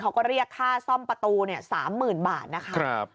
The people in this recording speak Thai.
เขาก็เรียกค่าซ่อมประตูเนี้ยสามหมื่นบาทนะคะครับ